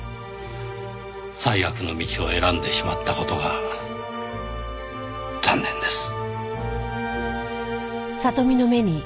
最悪の道を選んでしまった事が残念です。